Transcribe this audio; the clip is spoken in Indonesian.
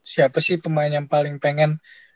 siapa sih pemain yang paling pengen